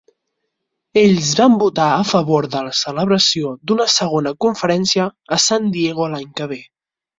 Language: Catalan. Ells van votar a favor de la celebració d'una segona conferència a San Diego l'any que ve.